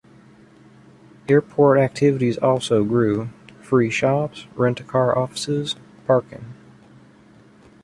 Airport activities also grew: free shops, rent-a-car offices, parking.